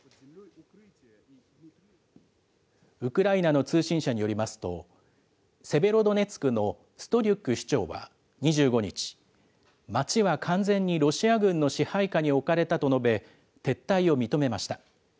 ウクライナの通信社によりますと、セベロドネツクのストリュク市長は２５日、街は完全にロシア軍の支配下に置かれたと述べ、撤退を認めました。